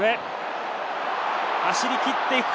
走り切っていくか。